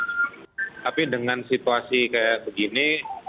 tapi dengan situasi kayak begini